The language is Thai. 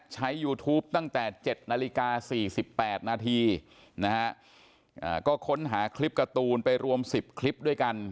ยูทูปตั้งแต่๗นาฬิกา๔๘นาทีนะฮะก็ค้นหาคลิปการ์ตูนไปรวม๑๐คลิปด้วยกัน